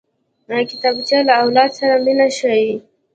کتابچه له اولاد سره مینه ښيي